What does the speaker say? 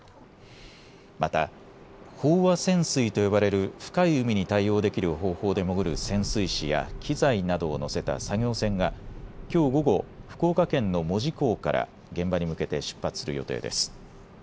また、飽和潜水と呼ばれる深い海に対応できる方法で潜る潜水士や機材などをのせた作業船がきょう午後、福岡県の門司港から現場に向けて出発する予定です。